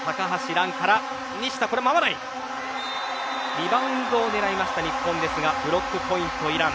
リバウンドを狙いました日本ですがブロックポイント、イラン。